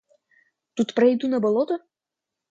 Тут пройду на болото?